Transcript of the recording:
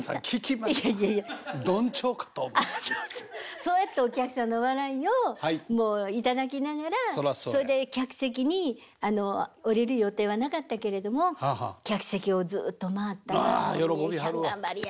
そうやってお客さんの笑いを頂きながらそれで客席に下りる予定はなかったけれども客席をずっと回ったら「美幸ちゃん頑張りや」